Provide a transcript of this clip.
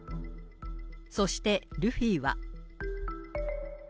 そして、ルフィは。